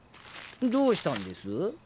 どうしたんです？